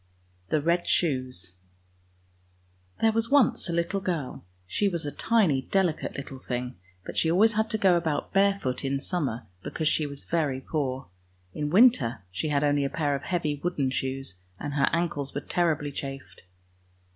61 eD snoes THERE was once a little girl; she was a tiny, delicate little thing, but she always had to go about barefoot in summer, because she was very poor. In winter she only had a pair of heavy wooden shoes, and her ankles were terribly chafed.